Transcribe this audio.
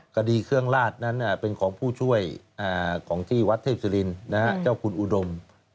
คดีเครื่องลาดนั้นเป็นของผู้ช่วยของที่วัดเทพศิรินเจ้าคุณอุดม